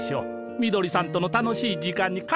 みどりさんとの楽しい時間にかんぱい！